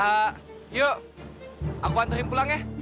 aaaa yuk aku anterin pulang ya